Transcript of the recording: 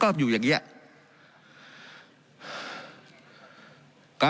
การปรับปรุงทางพื้นฐานสนามบิน